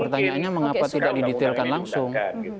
pertanyaannya mengapa tidak didetailkan langsung